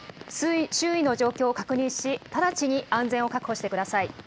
周囲の状況を確認し、直ちに安全を確保してください。